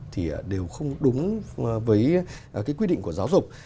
thì đều không đúng với quy định của giáo dục